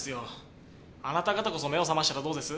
あなた方こそ目を覚ましたらどうです？